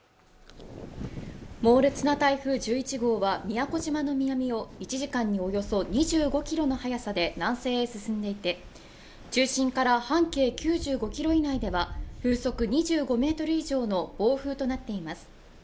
猛烈な台風１１号は宮古島の南を１時間におよそ２５キロの速さで南西へ進んでいて中心から半径９５キロ以内では風速２５メートル以上の暴風となっています